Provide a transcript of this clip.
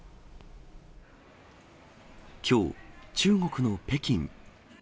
きょう、中国の北京。